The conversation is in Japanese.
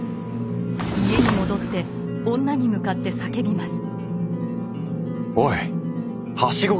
家に戻って女に向かって叫びます。